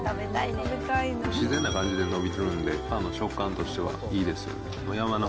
自然な感じで伸びてるんで、パンの食感としてはいいです。